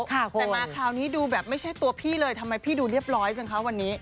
แต่มาคราวนี้ดูแบบไม่ใช่ตัวพี่เลยทำไมพี่ดูเรียบร้อยจังคะวันนี้